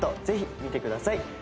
ぜひ見てください